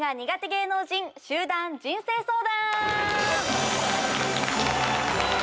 芸能人集団人生相談！